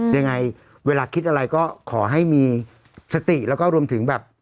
ยังไงเวลาคิดอะไรก็ขอให้มีสติแล้วก็รวมถึงแบบ